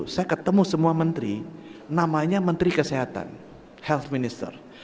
saya ketemu semua menteri namanya menteri kesehatan health minister